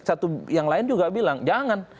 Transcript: satu yang lain juga bilang jangan